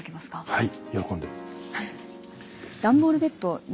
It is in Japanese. はい。